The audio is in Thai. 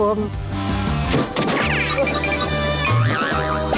โอ้โฮ